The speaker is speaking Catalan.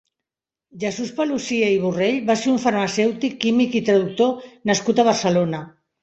Jesús Paluzie i Borrell va ser un farmacèutic, químic i traductor nascut a Barcelona.